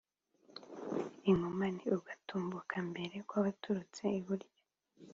Inkomane: ugutambuka mbere kw'abaturutse iburyo